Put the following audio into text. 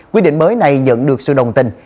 quy định mới này nhận được sự đồng tình